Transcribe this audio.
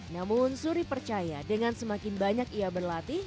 namun suri percaya dengan semakin banyak ia berlatih